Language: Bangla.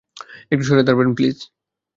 একটু সরে দাড়াবেন, প্লিজ?